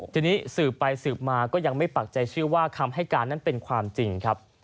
ทีนี้สืบไปสืบมาก็ยังไม่ปักใจเชื่อว่าคำให้การนั้นเป็นความจริงครับ